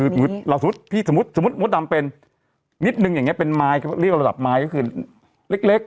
สมมุติมุดดำเป็นนิดนึงเป็นไมค์เรียกว่าระดับไมค์ก็คือเล็ก